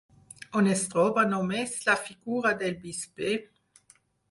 On es troba només la figura del bisbe?